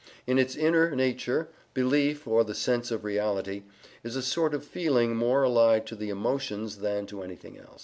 IN ITS INNER NATURE, BELIEF, OR THE SENSE OF REALITY, IS A SORT OF FEELING MORE ALLIED TO THE EMOTIONS THAN TO ANYTHING ELSE" ("Psychology," vol.